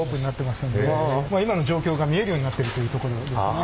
まあ今の状況が見えるようになってるというところですね。